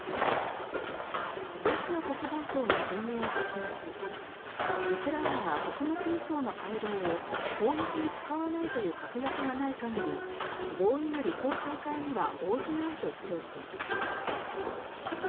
ロシア国防省も声明を発表しウクライナが穀物輸送の回廊を攻撃に使わないという確約がない限り合意の履行再開には応じないと主張しています。